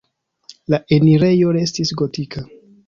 La enirejo restis gotika.